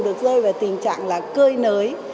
được rơi vào tình trạng là cơi nới